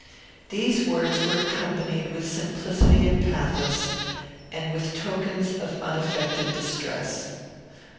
These words were accompanied with simplicity and pathos, and with tokens of unaffected distress.